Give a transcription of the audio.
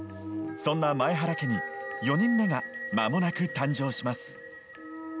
そんな、前原家に４人目がまもなく誕生します。